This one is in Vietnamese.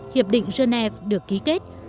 hiệp định genève được ký kết